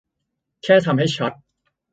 แค่ทำให้ชัด